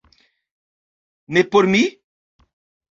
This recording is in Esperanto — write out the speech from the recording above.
- Ne por mi?